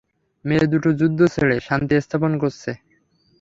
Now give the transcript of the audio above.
মেয়ে দুটো যুদ্ধ ছেড়ে শান্তি স্থাপন করেছে।